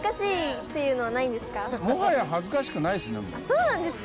そうなんですか。